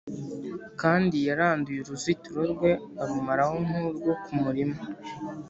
Kandi yaranduye uruzitiro rwe, Arumaraho nk’urwo ku murima,